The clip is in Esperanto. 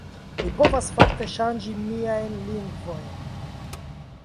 Mi povas, fakte, ŝanĝi miajn lingvojn